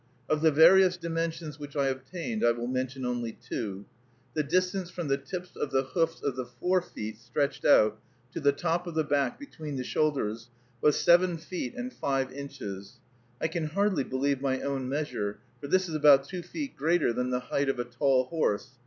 Of the various dimensions which I obtained I will mention only two. The distance from the tips of the hoofs of the fore feet, stretched out, to the top of the back between the shoulders, was seven feet and five inches. I can hardly believe my own measure, for this is about two feet greater than the height of a tall horse.